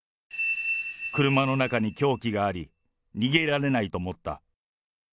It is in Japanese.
車の中に凶器があり、逃げられないと思った。